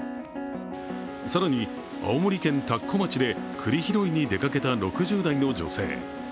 更に、青森県田子町で栗拾いに出かけた６０代の女性。